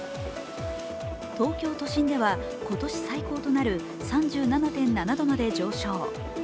東京都心では今年最高となる３７．７度まで上昇。